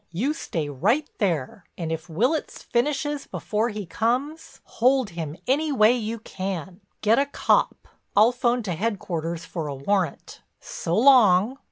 You stay right there and if Willitts finishes before he comes, hold him any way you can. Get a cop. I'll 'phone to headquarters for a warrant. So long."